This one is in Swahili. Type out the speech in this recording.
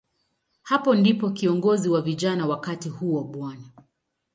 Hapo ndipo kiongozi wa vijana wakati huo, Bw.